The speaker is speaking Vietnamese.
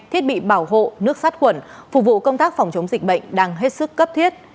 thiết bị bảo hộ nước sát khuẩn phục vụ công tác phòng chống dịch bệnh đang hết sức cấp thiết